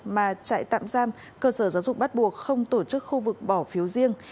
mà trại tạm giam cơ sở giáo dục bắt buộc không tổ chức khu vực bỏ phiếu riêng